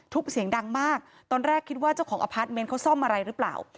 เสียงดังมากตอนแรกคิดว่าเจ้าของอพาร์ทเมนต์เขาซ่อมอะไรหรือเปล่า